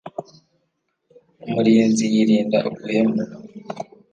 Umurinzi yirinda ubuhemu.